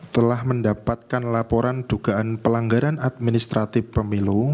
telah mendapatkan laporan dugaan pelanggaran administratif pemilu